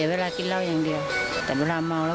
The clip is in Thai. แม่ของแม่แม่ของแม่